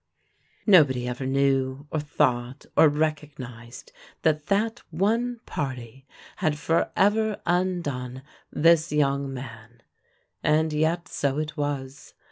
Nobody ever knew, or thought, or recognized that that one party had forever undone this young man; and yet so it was.